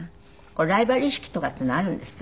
ライバル意識とかっていうのあるんですか？